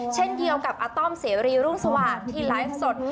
เช่นเดียวกับอาต้อมเสรีรุ่งสว่างที่ไลฟ์สด